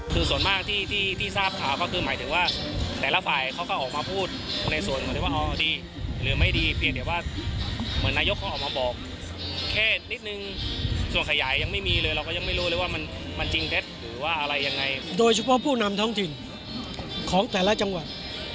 โดยเฉพาะผู้นำทั้งถิ่นของแต่ละจังหวัด